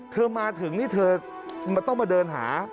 มาถึงนี่เธอต้องมาเดินหา